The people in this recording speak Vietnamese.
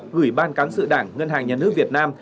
gửi ban cán sự đảng ngân hàng nhà nước việt nam